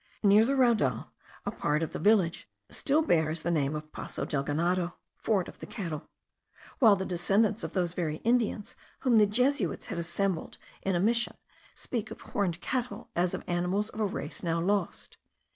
Near the raudal, a part of the village still bears the name of Passo del ganado (ford of the cattle), while the descendants of those very Indians whom the Jesuits had assembled in a mission, speak of horned cattle as of animals of a race now lost.